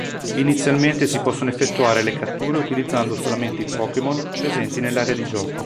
Inizialmente si possono effettuare le catture utilizzando solamente i Pokémon presenti nell'area di gioco.